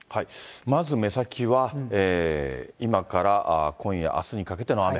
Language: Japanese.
まず目先は、今から今夜、あすにかけての雨。